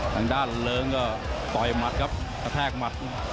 ทางด้านเหลิงก็ต่อยมัดครับแปลกมัด